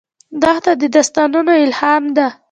دښته د داستانونو الهام ده.